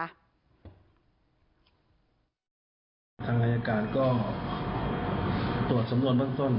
ทางอายการก็ตรวจสำนวนเบื้องต้น